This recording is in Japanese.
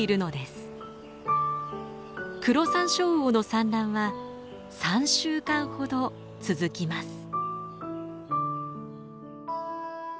クロサンショウウオの産卵は３週間ほど続きます。